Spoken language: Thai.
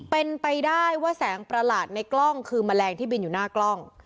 เป็นไปได้ว่าแสงประหลาดในกล้องคือแมลงที่บินอยู่หน้ากล้อง